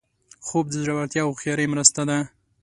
خوب د زړورتیا او هوښیارۍ مرسته ده